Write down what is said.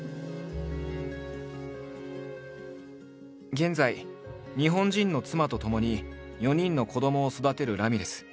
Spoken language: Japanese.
現在日本人の妻とともに４人の子どもを育てるラミレス。